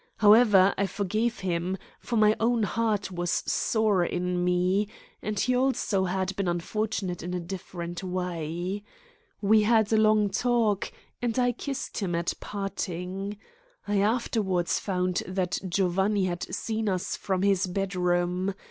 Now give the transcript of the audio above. However, I forgave him, for my own heart was sore in me, and he also had been unfortunate in a different way. We had a long talk, and I kissed him at parting. I afterwards found that Giovanni had seen us from his bedroom.